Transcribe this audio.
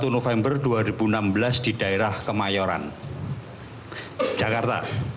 satu november dua ribu enam belas di daerah kemayoran jakarta